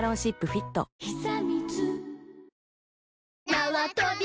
なわとび